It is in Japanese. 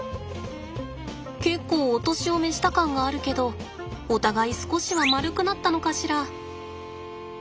結構お年を召した感があるけどお互い少しはまるくなったのかしら？